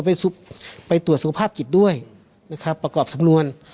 ไปไปตรวจสุขภาพจิตด้วยนะครับประกอบสำนวน